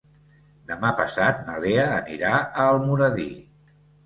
Demà passat na Lea anirà a Almoradí.